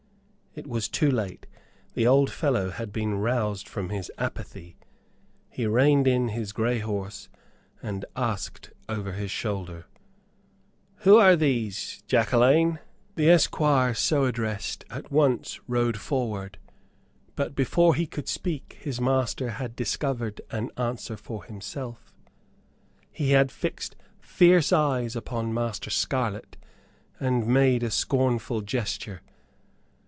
It was too late, the old fellow had been roused from his apathy. He reined in his grey horse, and asked over his shoulder: "Who are these, Jacquelaine?" The esquire so addressed at once rode forward, but before he could speak his master had discovered an answer for himself. He had fixed fierce eyes upon Master Scarlett, and made a scornful gesture.